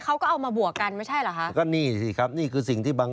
เขาก็เอามาบวกกันไม่ใช่เหรอครับ